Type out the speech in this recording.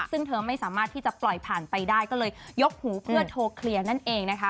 ซึ่งเธอไม่สามารถที่จะปล่อยผ่านไปได้ก็เลยยกหูเพื่อโทรเคลียร์นั่นเองนะคะ